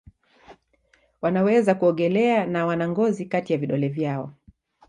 Wanaweza kuogelea na wana ngozi kati ya vidole vyao.